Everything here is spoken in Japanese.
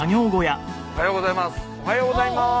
おはようございます！